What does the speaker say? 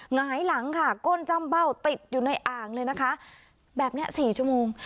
หงายหลังค่ะก้นจ้ำเบ้าติดอยู่ในอ่างเลยนะคะแบบนี้๔ชั่วโมง